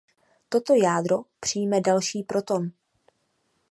Toto jádro přijme další proton.